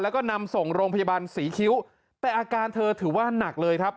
แล้วก็นำส่งโรงพยาบาลศรีคิ้วแต่อาการเธอถือว่าหนักเลยครับ